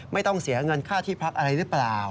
ไม่ต้องเสียเงินค่าที่พักอะไรหรือเปล่า